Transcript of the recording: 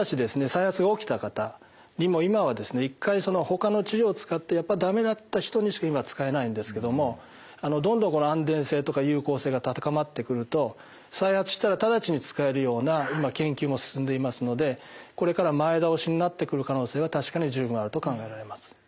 再発が起きた方にも今はですね１回ほかの治療を使ってやっぱり駄目だった人にしか今は使えないんですけどもどんどん安全性とか有効性が高まってくると再発したら直ちに使えるような研究も進んでいますのでこれから前倒しになってくる可能性は確かに十分あると考えられます。